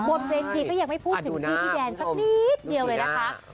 บนเลนส์ทีก็ยังไม่พูดขึ้นที่ดแดนสักนี้่ดี๊เร๋าเลยนะคะ